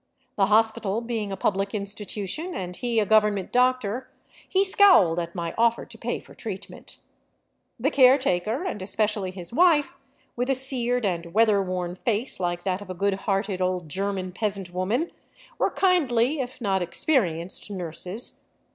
The hos pital being a public institution and he a government doctor, he scowled at my offer to pay for treatment. The caretaker and especially his wife, with a seared and weather worn face like that of a good hearted old German peasant woman, were kindly if not experienced nurses.